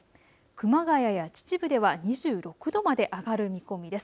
熊谷や秩父では２６度まで上がる見込みです。